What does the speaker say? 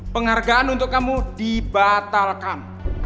penghargaan untuk kamu dibatalkan